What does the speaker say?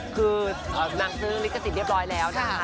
คือนักยื่นนิกสิตเรียบร้อยแล้วนะคะ